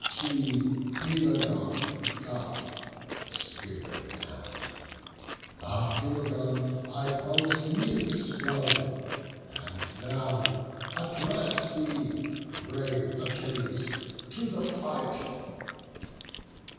He Pelegon begot, the spear renown'd; Of Pelegon I boast me sprung; and now Address thee, brave Achilles, to the fight."